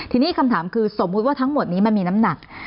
ทีนี้คำถามคือสมมุติว่าทั้งหมดนี้มันมีน้ำหนัก